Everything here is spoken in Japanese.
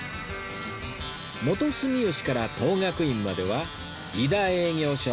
元住吉から等覚院までは井田営業所